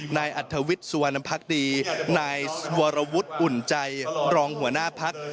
นายอัธวิทย์สุวรรณภักดีนายวรวุฒิอุ่นใจรองหัวหน้าพัก